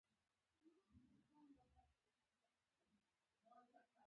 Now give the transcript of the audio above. احمد نن ډېر داستانونه و غږول، بیخي د سر ماغز مې یې وخوړل.